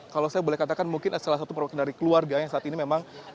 kalau saya boleh katakan mungkin salah satu perwakilan dari keluarga yang saat ini memang